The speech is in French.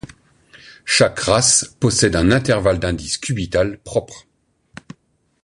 Chaque race possède un intervalle d'indice cubital propre.